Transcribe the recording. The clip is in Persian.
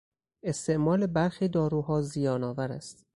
استعمال برخی داروها زیان آور است.